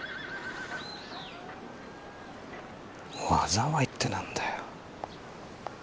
「災い」って何だよ。